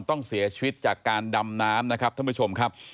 ต้องเสียชีวิตจากการดำน้ำนะครับท่านผู้ชมครับ